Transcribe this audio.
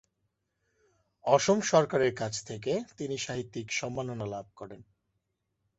অসম সরকার এর কাছ থেকে তিনি সাহিত্যিক সম্মাননা লাভ করেন।